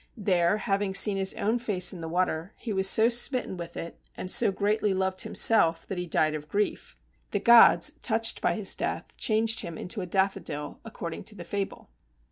There having seen his own face in the water, he was so smitten with it and so greatly loved himself that he died of grief. The Gods, touched by his death, changed him into a Daffodil, according to the fable."